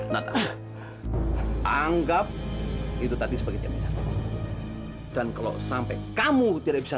nata anggap itu tadi sebagai temannya dan kalau sampai kamu tidak bisa